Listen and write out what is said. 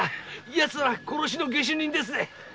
やつら殺しの下手人ですぜ。